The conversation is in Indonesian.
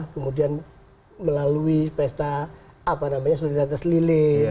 kemudian melalui pesta apa namanya solidaritas lili